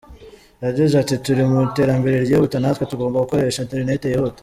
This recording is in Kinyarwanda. Yagize ati “Turi mu iterambere ry’ihuta natwe tugomba gukoresha interineti yihuta.